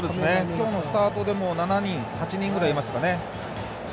今日のスタートでも８人ぐらいいましたかね。